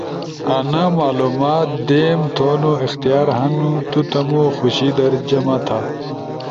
انا معلومات دیم تھونو اختیار ہنو۔ تو تمو خوشی در جمع تھا۔